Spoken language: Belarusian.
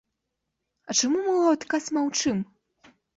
А чаму мы ў адказ маўчым?